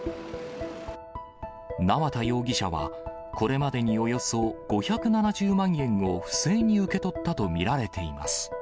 縄田容疑者は、これまでにおよそ５７０万円を、不正に受け取ったと見られています。